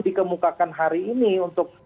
dikemukakan hari ini untuk